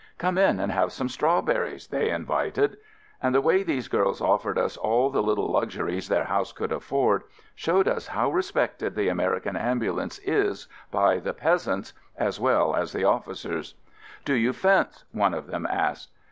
"Come in and have some strawberries," they invited. And the way these girls offered us all the little luxuries their house could afford showed us how respected the American Am bulance is by the peasants as well as the officers. "Do you fence?" one of them asked.